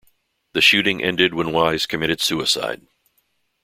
The shooting ended when Weise committed suicide.